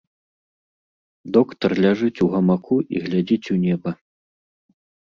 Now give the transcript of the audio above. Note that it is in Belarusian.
Доктар ляжыць у гамаку і глядзіць у неба.